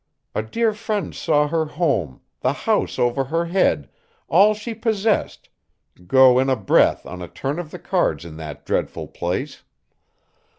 A dear friend saw her home, the house over her head, all she possessed, go in a breath on a turn of the cards in that dreadful place.